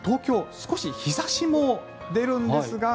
少し日差しも出るんですが。